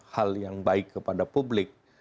hal yang baik kepada publik